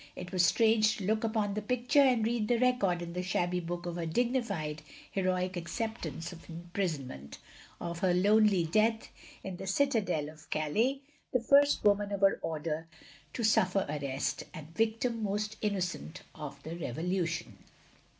It was strange to look upon the picture, and read the record in the shabby book of her dignified, heroic acceptance of im prisonment; of her lonely death in the Citadelle of Calais; the first woman of her order to suffer arrest, and victim most innocent of the Revolution.